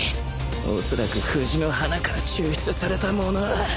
おそらく藤の花から抽出されたもの